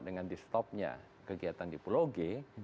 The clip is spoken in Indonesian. dengan di stopnya kegiatan di pulau g